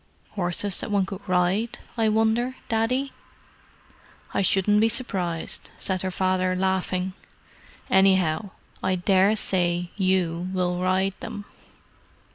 "Horses that one could ride, I wonder, Daddy?" "I shouldn't be surprised," said her father, laughing. "Anyhow, I daresay you will ride them."